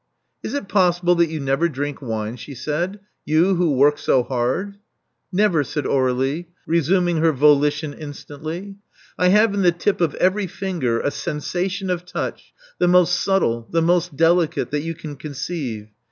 Is it possible that you never drink wine?" she said: you, who work so hard!" Never,*' said Aur^lie, resuming her volition instantly. I have in the tip of every finger a sensa tion of touch the most subtle, the most delicate, that you can conceive.